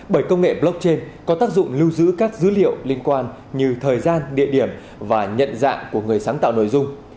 bởi công nghệ blockchain có tác dụng lưu giữ các dữ liệu liên quan như thời gian địa điểm và nhận dạng của người sáng tạo nội dung